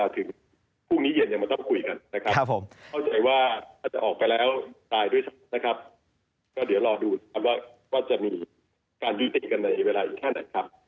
เท่ากันในเวลาอีกแค่ไหนครับ